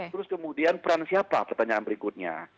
terus kemudian peran siapa pertanyaan berikutnya